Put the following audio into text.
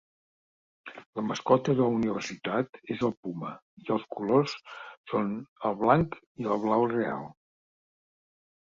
La mascota de la universitat és el puma i els colors són el blanc i el blau reial.